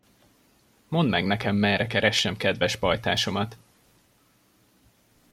Mondd meg nekem, merre keressem kedves pajtásomat!